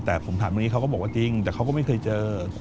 แต่ผมถามตรงนี้เขาก็บอกว่าจริงแต่เขาก็ไม่เคยเจอ